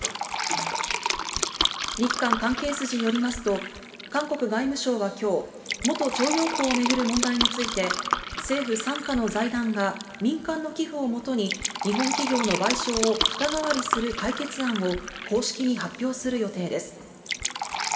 日韓関係筋によりますと韓国外務省は今日、元徴用工を巡る問題について、政府傘下の財団が民間の寄付をもとに日本企業の賠償を肩代わりする解決案を公式に発表する予定です。